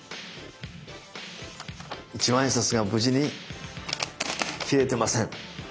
一万円札が無事に切れてません！